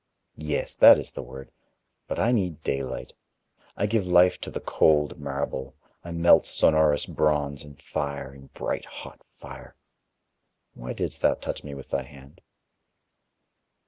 Yes, that is the word ... but I need daylight. I give life to the cold marble, I melt sonorous bronze in fire, in bright hot fire.... Why didst thou touch me with thy hand?"